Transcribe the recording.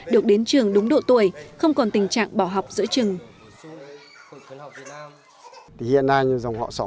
được đến trường đúng độ tuổi không còn tình trạng bỏ học giữa trường